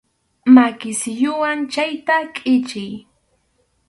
Maki silluwan chayta kʼichiy.